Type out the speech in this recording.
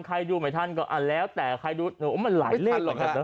ใครดูไหมทันก็อ่ะแล้วแต่ใครดูโอ้มันหลายเลข